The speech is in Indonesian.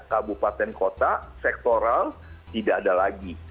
kabupaten kota sektoral tidak ada lagi